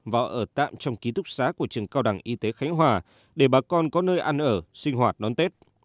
và ở tạm trong ký túc xá của trường cao đẳng y tế khánh hòa để bà con có nơi ăn ở sinh hoạt đón tết